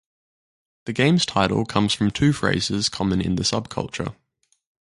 The game's title comes from two phrases common in the subculture.